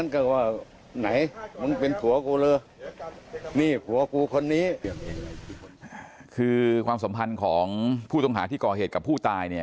คือความสัมพันธ์ของผู้ต้องหาที่ก่อเหตุกับผู้ตายเนี่ย